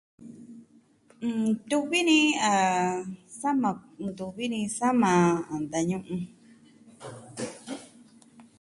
Ntuvi ni a sama ntuvi ni sama ntañu'un.